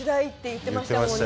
言ってましたよね。